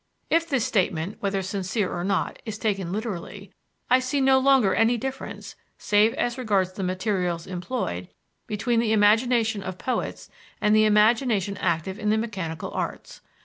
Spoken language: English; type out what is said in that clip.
If this statement, whether sincere or not, is taken literally, I see no longer any difference, save as regards the materials employed, between the imagination of poets and the imagination active in the mechanical arts.